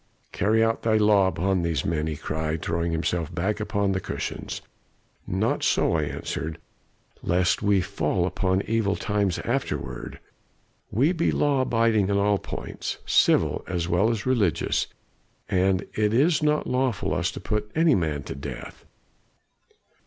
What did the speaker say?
"'Carry out your law upon these men,' he cried, throwing himself back upon the cushions. "'Not so,' I answered, 'lest we fall upon evil times afterward. We be law abiding in all points civil as well as religious and it is not lawful for us to put any man to death.